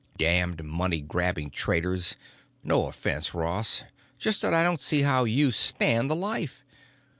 Damned money grabbing traders. No offense, Ross; just that I don't see how you stand the life.